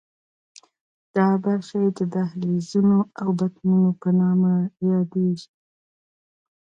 دا برخې د دهلیزونو او بطنونو په نامه یادېږي.